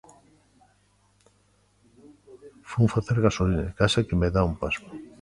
Fun facer gasolina e case que me dá un pasmo